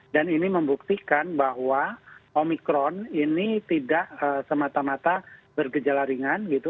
dan ini membuktikan bahwa omikron ini tidak semata mata berkejala ringan gitu